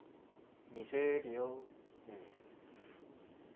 ２０秒。